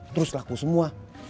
terus laku semua